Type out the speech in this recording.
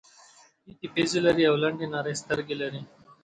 پېتې پزې لري او لنډې نرۍ سترګې لري.